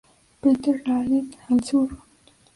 Peters Inlet, al sur.